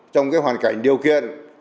trong hoàn cảnh điều kiện